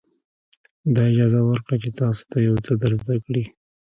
دا اجازه ورکړئ چې تاسو ته یو څه در زده کړي.